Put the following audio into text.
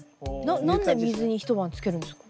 何で水に一晩つけるんですか？